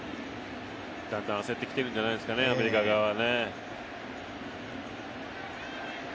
だんだん焦ってきているんじゃないですかね、アメリカ側は。